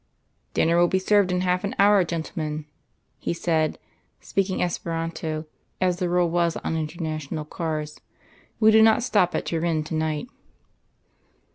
"Dinner will be served in half an hour, gentlemen," he said (speaking Esperanto, as the rule was on international cars). "We do not stop at Turin to night."